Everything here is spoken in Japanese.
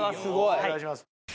お願いします